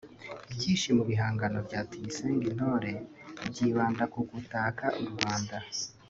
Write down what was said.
Byinshi mu bihangano bya Tuyisenge Intore byibanda ku gutaka u Rwanda